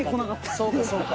そうかそうか。